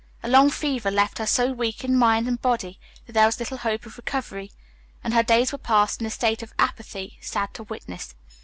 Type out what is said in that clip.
A long fever left her so weak in mind and body that there was little hope of recovery, and her days were passed in a state of apathy sad to witness.